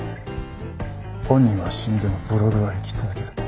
本人は死んでもブログは生き続ける。